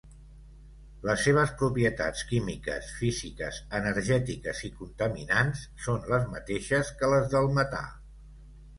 Les seves propietats químiques, físiques, energètiques i contaminants són les mateixes que les del metà.